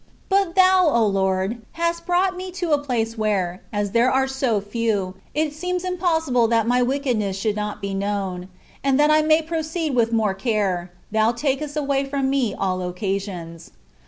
But Thou, O Lord ! hast brought me to a place where, as there are so few, it seems impossible that my wickedness should not betnown; and that I may proceed with more care. Thou takest away from me all occasions.